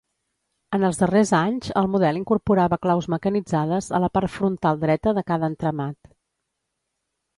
En els darrers anys, el model incorporava claus mecanitzades a la part frontal dreta de cada entramat.